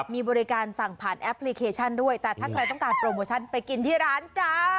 มีบริการสั่งผ่านแอปพลิเคชันด้วยแต่ถ้าใครต้องการโปรโมชั่นไปกินที่ร้านจ้า